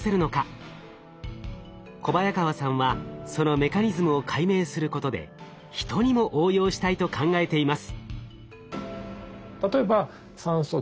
小早川さんはそのメカニズムを解明することでヒトにも応用したいと考えています。